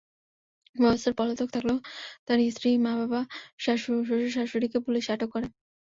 মোবাশ্বের পলাতক থাকলেও তাঁর স্ত্রী, মা, বাবা, শ্বশুর-শাশুড়িকে পুলিশ আটক করে।